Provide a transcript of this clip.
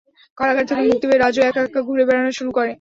কারাগার থেকে মুক্তি পেয়ে রাজু একা একা ঘুরে বেড়ানো শুরু করে।